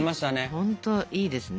ほんといいですね。